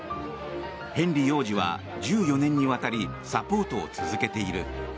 ヘンリー王子は１４年にわたりサポートを続けている。